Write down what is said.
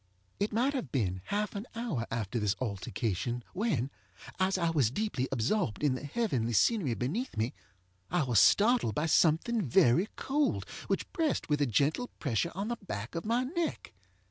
It might have been half an hour after this altercation when, as I was deeply absorbed in the heavenly scenery beneath me, I was startled by something very cold which pressed with a gentle pressure on the back of my neck.